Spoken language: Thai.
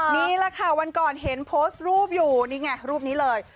นี่แหละค่ะวันก่อนเห็นโพสต์รูปอยู่นี่ไงรูปนี้เลย